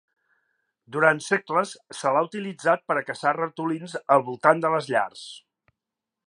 Durant segles, se l'ha utilitzat per a caçar ratolins al voltant de les llars.